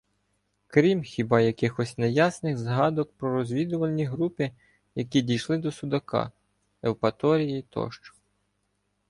Крім хіба якихось неясних згадок про «розвідувальні» групи, які дійшли до Судака, Євпаторії тощо.